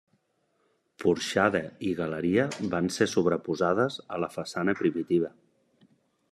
Porxada i galeria van ser sobreposades a la façana primitiva.